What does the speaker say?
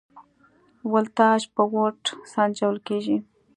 ولتاژ په ولټ سنجول کېږي.